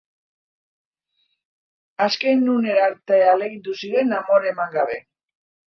Azken unera arte ahalegindu ziren, amore eman gabe.